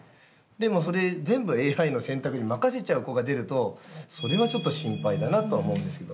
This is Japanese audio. でも、それ全部ＡＩの選択に任せちゃう子が出るとそれは、ちょっと心配だなとは思うんですけど。